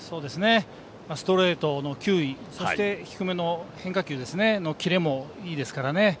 ストレートの球威そして低めの変化球のキレもいいですからね。